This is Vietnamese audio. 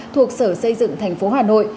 thuộc sở xây dựng tp hà nội